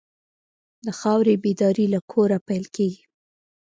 د خاورې بیداري له کوره پیل کېږي.